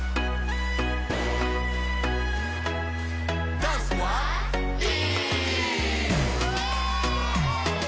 ダンスはＥ！